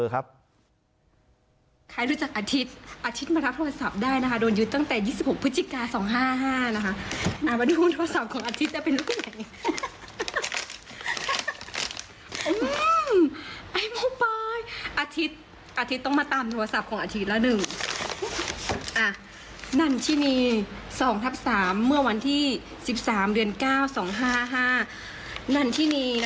ใครรู้จักอาทิตย์อาทิตย์มารับโทรศัพท์ได้นะคะโดนยืดตั้งแต่๒๖พฤศิกา๒๕๕นะคะ